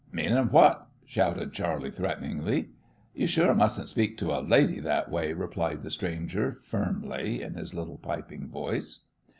"Meanin' what?" shouted Charley, threateningly. "You sure mustn't speak to a lady that way," replied the stranger, firmly, in his little piping voice.